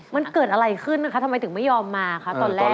มันเกิดอะไรขึ้นนะคะทำไมถึงไม่ยอมมาคะตอนแรก